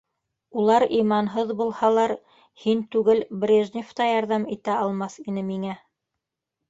Улар иманһыҙ булһалар, һин түгел, Брежнев та ярҙам итә алмаҫ ине миңә.